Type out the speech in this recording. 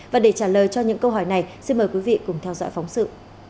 và để trả lời cho những câu hỏi này xin mời quý vị cùng theo dõi phóng sự